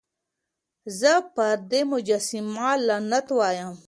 زه پر دې مجسمه لعنت وايم.